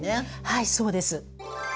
はいそうです。